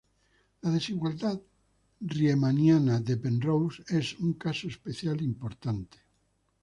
La desigualdad riemanniana de Penrose es un caso especial importante.